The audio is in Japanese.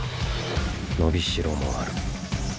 伸びしろもある。